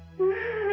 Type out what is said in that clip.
aku sudah berjalan